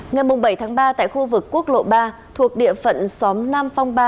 ngày bảy tháng ba tại khu vực quốc lộ ba thuộc địa phận xóm nam phong ba